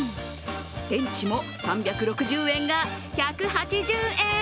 電池も３６０円が１８０円！